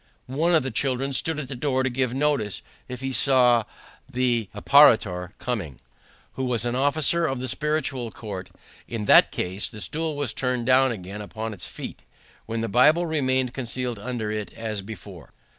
One of the children stood at the door to give notice if he saw the apparitor coming, who was an officer of the spiritual court. In that case the stool was turned down again upon its feet, when the Bible remained concealed under it as before.